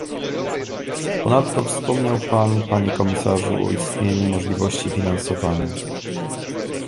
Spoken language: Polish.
Ponadto, wspomniał pan, panie komisarzu, o istnieniu możliwości finansowania